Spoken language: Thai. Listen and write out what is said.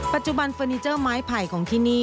ปัจจุบันเฟอร์นิเจอร์ไม้ไผ่ของที่นี่